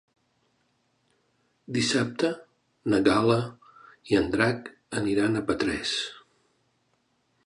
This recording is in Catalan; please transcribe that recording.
Dissabte na Gal·la i en Drac aniran a Petrés.